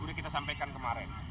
sudah kita sampaikan kemarin